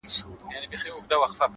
• تل زاړه کفن کښان له خدایه غواړي,